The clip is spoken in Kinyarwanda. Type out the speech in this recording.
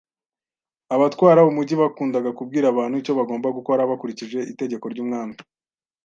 Abatwara umujyi bakundaga kubwira abantu icyo bagomba gukora, bakurikije itegeko ry'umwami.